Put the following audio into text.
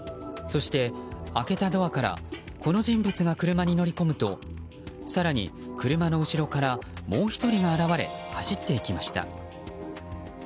そして、開けたドアからこの人物が車に乗り込むと更に、車の後ろからもう１人が現れ走っていきました。